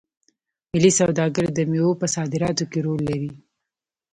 ملي سوداګر د میوو په صادراتو کې رول لري.